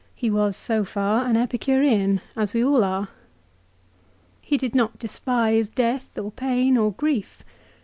He was so far an Epicurean, as we all are. He did not despise death, or pain, or grief.